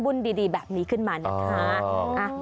ดีแบบนี้ขึ้นมานะคะ